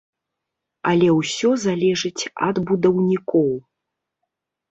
Але ўсё залежыць ад будаўнікоў.